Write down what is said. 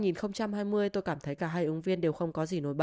năm hai nghìn hai mươi tôi cảm thấy cả hai ứng viên đều không có gì nổi bật